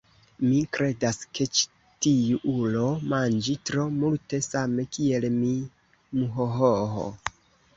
Mi kredas ke ĉi tiu ulo manĝi tro multe same kiel mi muhohoho